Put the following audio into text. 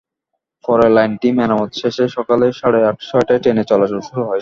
পরে লাইনটি মেরামত শেষে সকাল সাড়ে ছয়টায় ট্রেন চলাচল শুরু হয়।